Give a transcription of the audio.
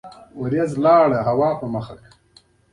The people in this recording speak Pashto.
دا په پراخه کچه نا رضایتۍ او اختلافونه هم رامنځته کوي.